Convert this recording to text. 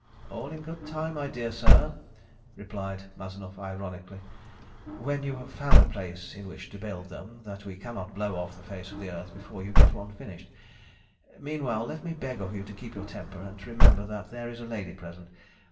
"All in good time, my dear sir," replied Mazanoff ironically. "When you have found a place in which to build them that we cannot blow off the face of the earth before you get one finished. Meanwhile, let me beg of you to keep your temper, and to remember that there is a lady present.